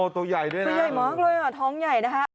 ตัวใหญ่มากเลยอ่ะท้องใหญ่นะฮะ